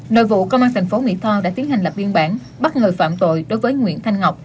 nội vụ công an thành phố mỹ tho đã tiến hành lập biên bản bắt người phạm tội đối với nguyễn thanh ngọc